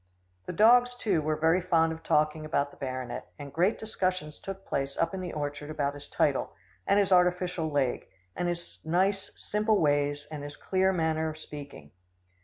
The dogs, too, were very fond of talking about the baronet, and great discussions took place up in the orchard about his title, and his artificial leg, and his nice simple ways, and his clear manner of speaking.